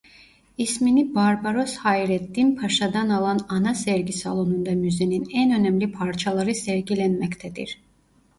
İsmini Barbaros Hayreddin Paşa'dan alan ana sergi salonunda müzenin en önemli parçaları sergilenmektedir.